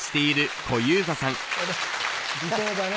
理想だね。